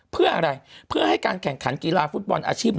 เพื่ออะไรเพื่อให้การแข่งขันกีฬาฟุตบอลอาชีพ